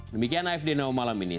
demikian afd now malam ini